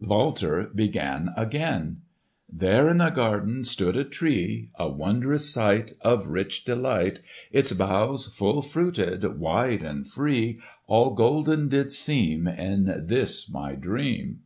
Walter began again: "There in the garden stood a tree, A wondrous sight Of rich delight: Its boughs full fruited, wide and free, All golden did seem In this my dream!"